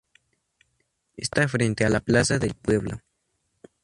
Está ubicada frente a la plaza del pueblo.